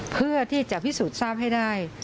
เพื่อที่จะพิสูจน์ทราบให้ได้